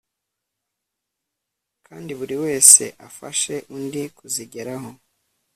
kandi buri wese afashe undi kuzigeraho